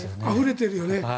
あふれてるよね。